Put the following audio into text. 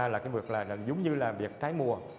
là cái việc giống như là việc trái mùa